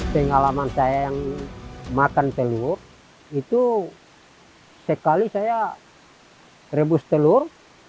pengalaman saya yang makan telur itu sekali saya rebus telur